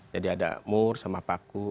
jadi ada mur sama paku